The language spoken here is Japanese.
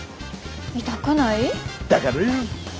痛くない？だからよ。